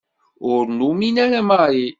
Ur numin ara Mary.